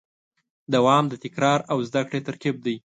دوام د تکرار او زدهکړې ترکیب دی.